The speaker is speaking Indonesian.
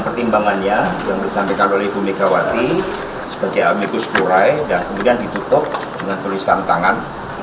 pertimbangannya yang disampaikan oleh ibu megawati sebagai amikus kurai dan kemudian ditutup dengan tulisan tangan